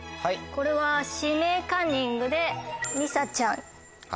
これは「指名カンニング」でりさちゃん。